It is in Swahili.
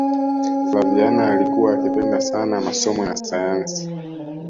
flaviana alikuwa akipenda sana masomo ya sayansi